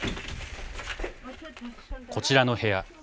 こちらの部屋。